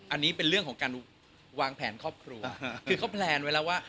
อันนี้เป็นเรื่องของการวางแผนครอบครัวคือเขาแพลนไว้แล้วว่า